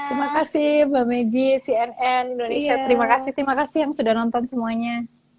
terima kasih mbak megi cnn indonesia terima kasih terima kasih yang sudah nonton semuanya